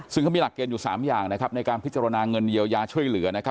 ซึ่งเขามีหลักเกณฑ์อยู่๓อย่างในการพิจารณาเงินเยียวยาช่วยเหลือ